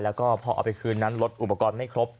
แล้วก็พอเอาไปคืนนั้นลดอุปกรณ์ไม่ครบ